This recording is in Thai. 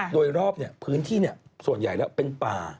โดยรอบพื้นที่ส่วนใหญ่แล้วเป็นป่า